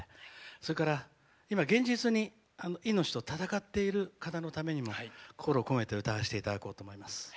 それから今現実に命と闘っている方のためにも心を込めて歌わせていただこうと思います。